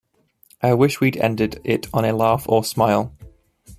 I wish we'd ended it on a laugh or smile.